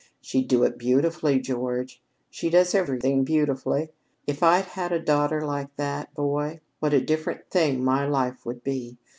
"She'd do it beautifully, George. She does everything beautifully. If I'd had a daughter like that, boy, what a different thing my life would be!